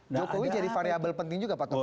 jokowi jadi variabel penting juga pak tunggu